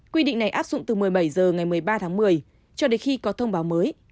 quy định này áp dụng từ một mươi bảy h ngày một mươi ba tháng một mươi cho đến khi có thông báo mới